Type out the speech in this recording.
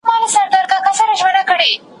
خصوصي سکتور زیار ویستلی دی.